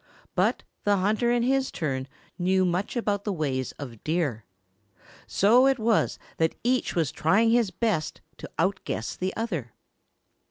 But the hunter in his turn knew much of the ways of Deer. So it was that each was trying his best to outguess the other.